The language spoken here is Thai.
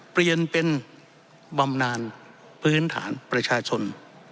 เปลี่ยนเป็นบำนานพื้นฐานประชาชน